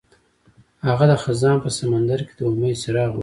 هغه د خزان په سمندر کې د امید څراغ ولید.